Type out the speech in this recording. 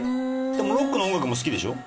「でもロックの音楽も好きでしょ？」。